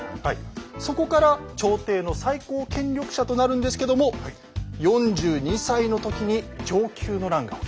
そこから朝廷の最高権力者となるんですけども４２歳の時に承久の乱が起きます。